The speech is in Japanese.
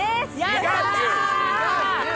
やった！